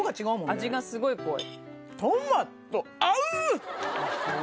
味がスゴい濃い。